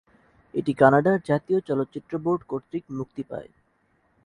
এটি কানাডার জাতীয় চলচ্চিত্র বোর্ড কর্তৃক মুক্তি পায়।